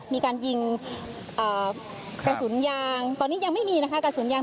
มีการยิงกระสุนยางตอนนี้ยังไม่มีนะคะกระสุนยาง